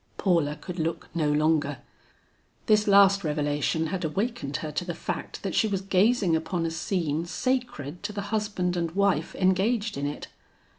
Paula could look no longer. This last revelation had awakened her to the fact that she was gazing upon a scene sacred to the husband and wife engaged in it.